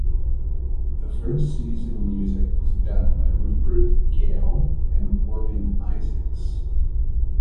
The first season music was done by Rupert Gayle and Orrin Isaacs.